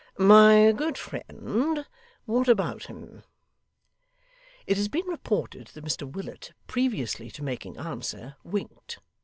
'My good friend, what about him?' It has been reported that Mr Willet, previously to making answer, winked.